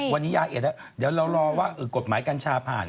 เดี๋ยวเรารอว่ากฎหมายกัญชาผ่าน